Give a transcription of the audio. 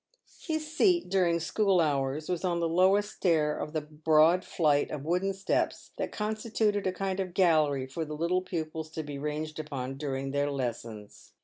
His seat during school hours was on the lowest stair of the broad flight of wooden steps that constituted a kind of gallery for the little pupils to be ranged upon during their lessons.